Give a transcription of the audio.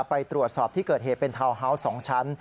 ไปตรวจสอบที่เกิดเหตุเป็นทาวน์ฮาวส์๒ชั้น